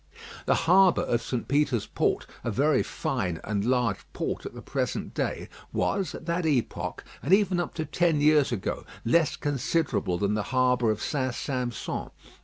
The harbour of St. Peter's Port, a very fine and large port at the present day, was at that epoch, and even up to ten years ago, less considerable than the harbour of St. Sampson.